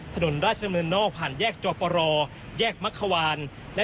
ถนนราชดำเนินนอกผ่านแยกจอปรแยกมักขวาน